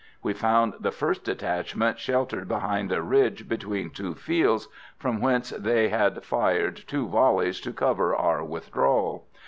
We found the first detachment sheltered behind a ridge between two fields, from whence they had fired two volleys to cover our withdrawal.